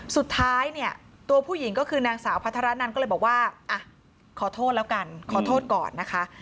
สุดท้ายเนี่ยตัวผู้หญิงก็คือนางสาวพัทรนันก็เลยบอกว่าอ่ะขอโทษแล้วกันขอโทษก่อนนะคะ